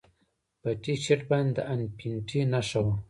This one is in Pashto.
په ټي شرټ باندې د انفینټي نښه وه